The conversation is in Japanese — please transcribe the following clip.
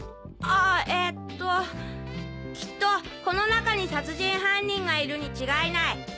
あえっと「きっとこの中に殺人犯人がいるに違いない」。